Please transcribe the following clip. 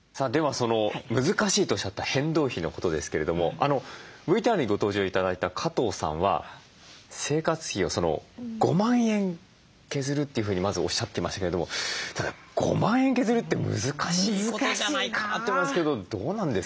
その難しいとおっしゃった変動費のことですけれどもＶＴＲにご登場頂いた加藤さんは生活費を５万円削るというふうにまずおっしゃっていましたけれども５万円削るって難しいことじゃないかなと思うんですけどどうなんですか？